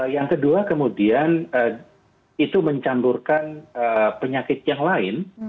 yang kedua kemudian itu mencandurkan penyakit yang lain